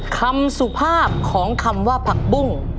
สุภาพของคำว่าผักบุ้ง